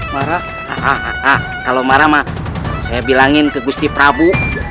marah kalau marah mah saya bilangin ke gusti prabu